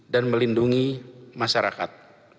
dan melindungi masyarakat